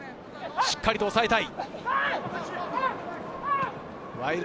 しっかりとおさえたい。